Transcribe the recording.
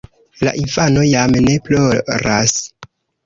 La infano jam ne ploras.